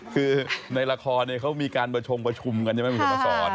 คือในละครเนี่ยเขามีการประชงประชุมกันยังไม่มีคนมาสอน